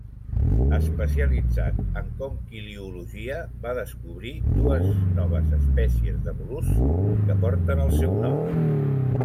Especialitzat en conquiliologia, va descobrir dues noves espècies de mol·luscs, que porten el seu nom.